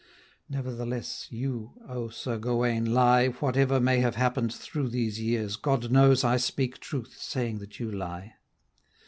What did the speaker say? Nevertheless you, O Sir Gauwaine, lie, Whatever may have happened through these years, God knows I speak truth, saying that you lie.